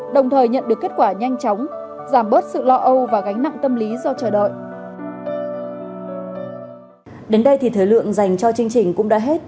đồng thời nhận được kết quả nhanh chóng giảm bớt sự lo âu và gánh nặng tâm lý do chờ đợi